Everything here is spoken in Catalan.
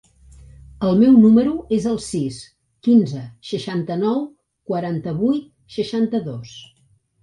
El meu número es el sis, quinze, seixanta-nou, quaranta-vuit, seixanta-dos.